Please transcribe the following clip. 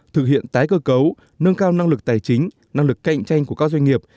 thực hiện tái cơ cấu nâng cao năng lực tài chính năng lực cạnh tranh của các doanh nghiệp